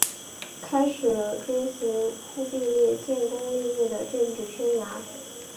开始了追随忽必烈建功立业的政治生涯。